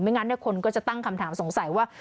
งั้นคนก็จะตั้งคำถามสงสัยว่า